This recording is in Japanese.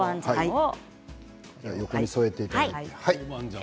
横に添えていただいて。